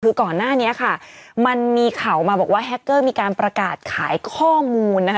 คือก่อนหน้านี้ค่ะมันมีข่าวมาบอกว่าแฮคเกอร์มีการประกาศขายข้อมูลนะคะ